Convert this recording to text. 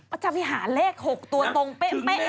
เบอร์จะไปหาเลข๖ตัวตรงแป๊ะที่ไหนเนี่ย